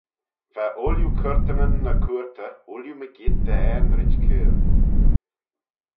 Va ooilley curtanyn ny cooyrtey ooilley mygeayrt dy aanrit keyl.